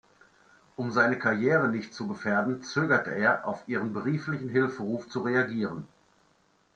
Um seine Karriere nicht zu gefährden, zögert er, auf ihren brieflichen Hilferuf zu reagieren.